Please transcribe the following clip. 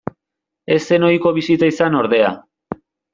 Ez zen ohiko bisita izan ordea.